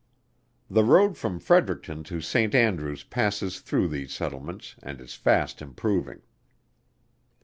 The road from Fredericton to St. Andrews passes through these settlements, and is fast improving.